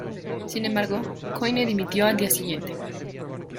Sin embargo, Coyne dimitió al día siguiente.